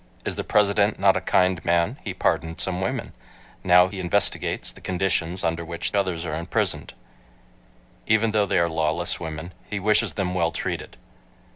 "Is the President not a kind man? He pardoned some women. Now he investigates the conditions under which others are imprisoned. Even though they are lawless women, he wishes them well treated."